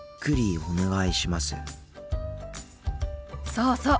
そうそう。